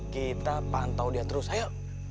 kita pantau dia terus ayo